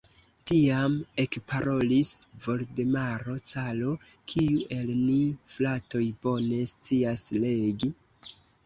Tiam ekparolis Voldemaro caro: "Kiu el ni, fratoj, bone scias legi?"